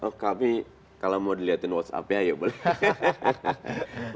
oh kami kalau mau dilihatin whatsappnya ya boleh